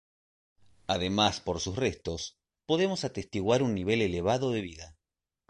Además por sus restos podemos atestiguar un nivel elevado de vida.